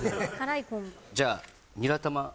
じゃあニラ玉から。